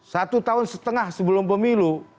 satu tahun setengah sebelum pemilu